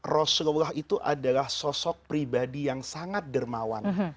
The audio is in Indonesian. rasulullah itu adalah sosok pribadi yang sangat dermawan